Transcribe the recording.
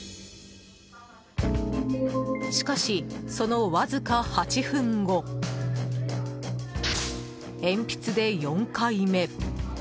しかし、そのわずか８分後鉛筆で４回目。